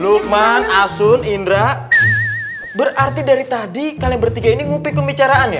lukman asun indra berarti dari tadi kalian bertiga ini ngopi pembicaraan ya